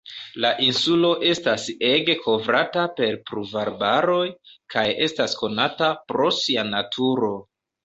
La insulo estas ege kovrata per pluvarbaroj kaj estas konata pro sia naturo.